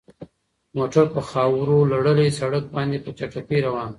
موټر په خاورو لړلي سړک باندې په چټکۍ روان و.